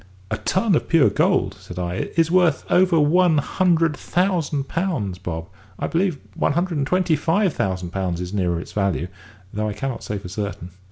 "A ton of pure gold," said I, "is worth over one hundred thousand pounds, Bob; I believe one hundred and twenty five thousand pounds is nearer its value; though I cannot say for certain."